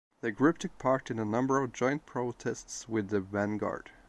The group took part in a number of joint protests with the Vanguard.